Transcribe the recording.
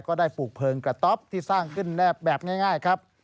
ก็ได้ปลูกเพลิงกระต๊อปที่สร้างขึ้นแบบง่ายครับ